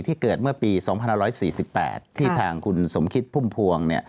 เกิดเมื่อปี๒๑๔๘ที่ทางคุณสมคิดพุ่มพวง